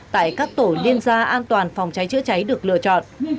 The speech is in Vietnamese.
tại các tổ liên gia an toàn phòng cháy chữa cháy được lựa chọn